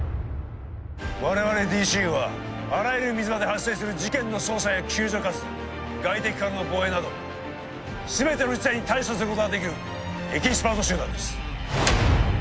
我々ＤＣＵはあらゆる水場で発生する事件の捜査や救助活動外敵からの防衛など全ての事態に対処することができるエキスパート集団です